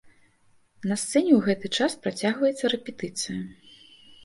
На сцэне ў гэты час працягваецца рэпетыцыя.